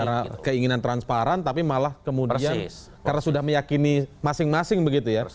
karena keinginan transparan tapi malah kemudian karena sudah meyakini masing masing begitu ya